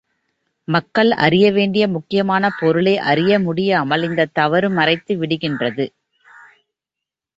மக்கள் அறிய வேண்டிய முக்கியமான பொருளை அறிய முடியாமல் இந்தத் தவறு மறைத்துவிடுகின்றது.